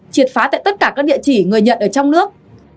triệt phá tại tất cả các địa chỉ người nhận ở trong nước